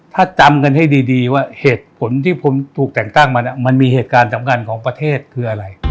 ถ้าจำกันให้ดีว่าเหตุผลที่ผมถูกแต่งตั้งมามันมีเหตุการณ์สำคัญของประเทศคืออะไร